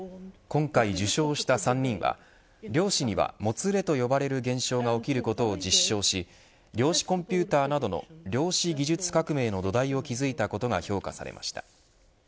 今回受賞した３人は量子にはもつれと呼ばれる現象が起きることを実証し量子コンピューターなどの量子技術革命の土台を築いたことが評価されました。